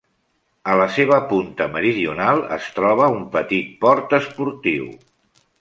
A la seva punta meridional es troba un petit port esportiu.